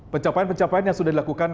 pencapaian pencapaian yang sudah dilakukan